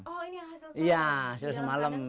oh ini yang hasil semalam